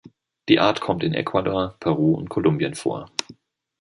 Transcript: Die Art kommt in Ecuador, Peru und Kolumbien vor.